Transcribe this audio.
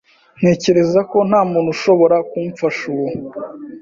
Ntekereza ko nta muntu ushobora kumfasha ubu